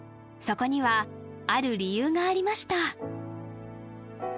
そこにはある理由がありました